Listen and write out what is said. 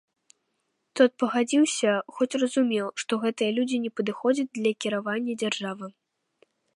Тот пагадзіўся, хоць разумеў, што гэтыя людзі не падыходзяць для кіравання дзяржавы.